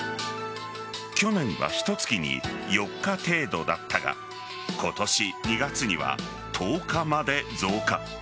去年はひと月に４日程度だったが今年２月には１０日まで増加。